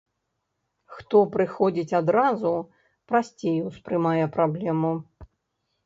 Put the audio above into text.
Хто прыходзіць адразу, прасцей успрымае праблему.